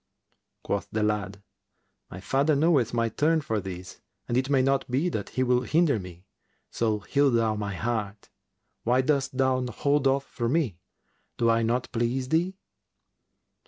Quoth the lad, "My father knoweth my turn for this and it may not be that he will hinder me: so heal thou my heart. Why dost thou hold off from me? Do I not please thee?"